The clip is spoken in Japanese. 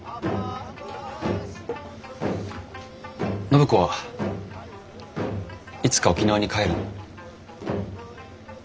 暢子はいつか沖縄に帰るの？